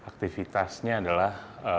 dan aktivitasnya adalah